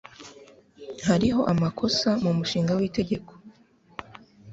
Hariho amakosa mu mushinga w'itegeko